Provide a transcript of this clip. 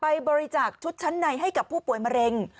บริจาคชุดชั้นในให้กับผู้ป่วยมะเร็ง